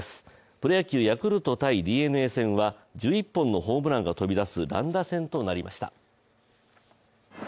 プロ野球、ヤクルト×ＤｅＮＡ戦は１１本のホームランが飛び出す乱打戦となりました。